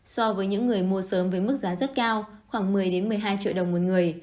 so với những người mua sớm với mức giá rất cao khoảng một mươi một mươi hai triệu đồng một người